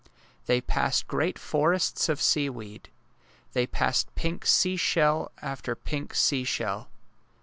They passed great forests of seaweed. They passed pink seashell after pink seashell.